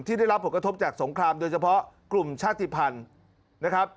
ได้รับผลกระทบจากสงครามโดยเฉพาะกลุ่มชาติภัณฑ์นะครับ